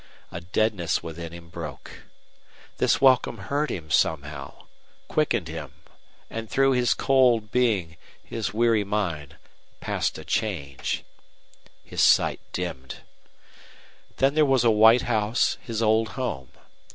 A deadness within him broke. This welcome hurt him somehow, quickened him; and through his cold being, his weary mind, passed a change. His sight dimmed. Then there was a white house, his old home.